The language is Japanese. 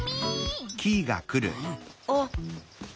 あっ！